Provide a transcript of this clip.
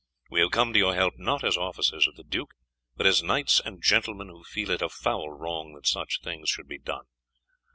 We have come to your help not as officers of the duke, but as knights and gentlemen who feel it a foul wrong that such things should be done.